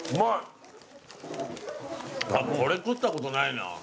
あっこれ食ったことないな。